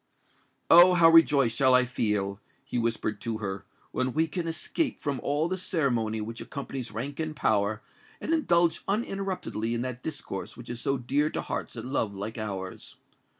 "Oh! how rejoiced shall I feel," he whispered to her, "when we can escape from all the ceremony which accompanies rank and power, and indulge uninterruptedly in that discourse which is so dear to hearts that love like ours!